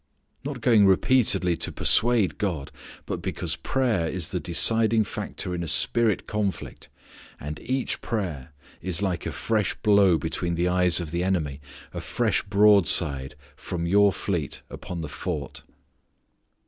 Not going repeatedly to persuade God. But because prayer is the deciding factor in a spirit conflict and each prayer is like a fresh blow between the eyes of the enemy, a fresh broadside from your fleet upon the fort.